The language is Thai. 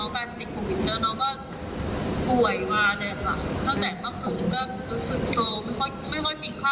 เอาออกมาเพราะว่าเด็กตรงบ้านนี้ก็เยอะค่ะ